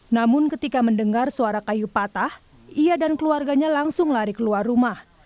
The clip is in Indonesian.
namun ketika mendengar suara kayu patah ia dan keluarganya langsung lari keluar rumah